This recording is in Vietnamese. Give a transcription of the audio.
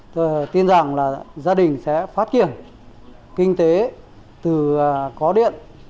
tôi tin rằng là gia đình sẽ phát triển kinh tế từ có điện